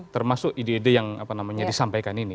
termasuk ide ide yang disampaikan ini